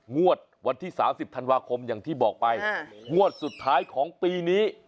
งวดวันที่๓๐ธันวาคมอย่างที่บอกไปงวดสุดท้ายของปีนี้